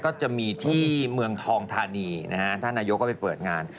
ก็จะมีที่เมืองทองธานีนะฮะท่านนายกก็ไปเปิดงาน